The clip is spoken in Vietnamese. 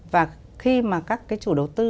và khi mà các cái chủ đầu tư